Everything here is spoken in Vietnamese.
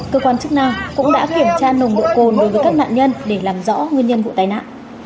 cơ quan chức năng cũng đã kiểm tra nồng độ cồn đối với các nạn nhân để làm rõ nguyên nhân vụ tai nạn